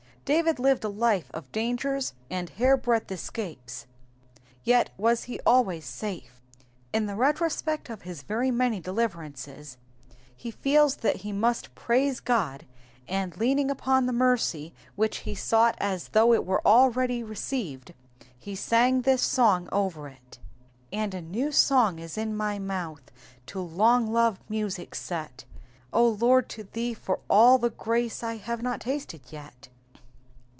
David lived a life of dangers and hair breadth ^scapes, yet was he always safe. In the retrospect of his very many deliverances he feels that he must praise God, and leaking upon the mercy which he sought as though it were already received, be sang this song over it —And a new song is in my mouth. To louR loved music set, Olory to thee far all the grace I have iwt tasted yet.